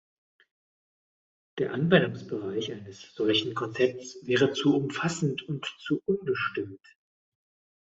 Der Anwendungsbereich eines solchen Konzepts wäre zu umfassend und zu unbestimmt.